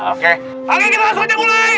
oke ali kita langsung aja mulai